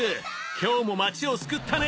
今日も町を救ったね！